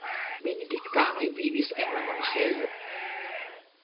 Benediktanoj vivis en la monaĥejo.